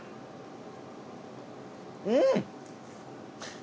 うん！